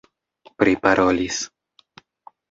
priparolis